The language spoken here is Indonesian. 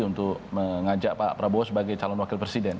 untuk mengajak pak prabowo sebagai calon wakil presiden